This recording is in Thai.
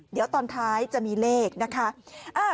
เดี๋ยวตอนท้ายจะมีเลขนะคะ